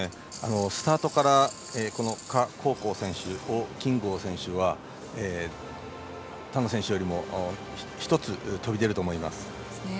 スタートから賈紅光選手、王金剛選手は他の選手よりも１つ飛び出ると思います。